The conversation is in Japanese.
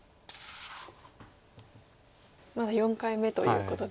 まだ４回目ということで。